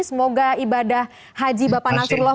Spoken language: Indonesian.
semoga ibadah haji bapak nasrullah